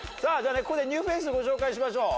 ここでニューフェースご紹介しましょう。